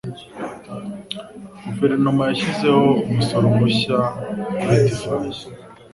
Guverinoma yashyizeho umusoro mushya kuri divayi.